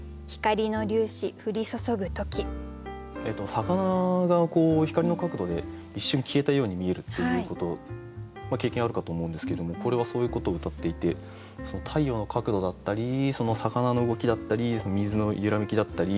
魚が光の角度で一瞬消えたように見えるっていうこと経験あるかと思うんですけどもこれはそういうことをうたっていて太陽の角度だったり魚の動きだったり水の揺らめきだったり。